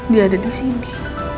dia ada disini